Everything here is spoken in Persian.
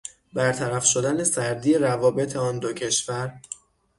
برطرف شدن سردی روابط آن دو کشور